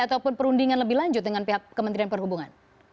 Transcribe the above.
ataupun perundingan lebih lanjut dengan pihak kementerian perhubungan